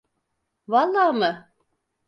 Valla mı?